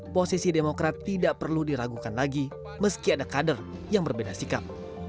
posisi demokrat tidak perlu diragukan lagi meski ada kader yang berbeda sikap